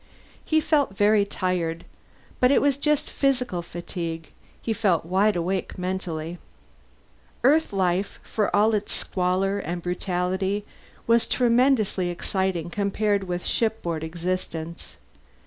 He felt very tired, but it was just physical fatigue; he felt wide awake mentally. Earth life, for all its squalor and brutality, was tremendously exciting compared with shipboard existence.